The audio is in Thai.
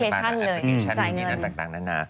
ผ่านแอปพลิเคชันเลยจ่ายเงิน